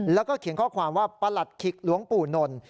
แล้วก็เขียนข้อความว่าประหลัดขิกหลวงปู่นนท์